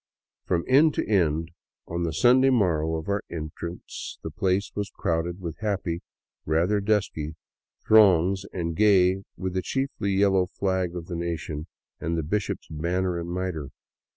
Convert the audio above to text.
From end to end, on the Sunday morrow of our entrance, the place was crowded with happy, rather dusky, throngs, and gay with the chiefly yellow flag of the nation and the bishop's banner and mitre.